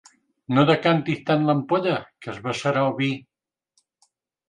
No decantis tant l'ampolla, que es vessarà el vi.